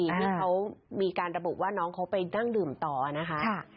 ที่เขามีการระบุว่าน้องเขาไปนั่งดื่มต่อนะคะ